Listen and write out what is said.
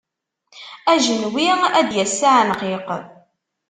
Ajenwi ad d-yas s aεenqiq.